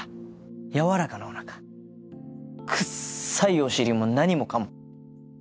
柔らかなお腹くっさいお尻も何もかも。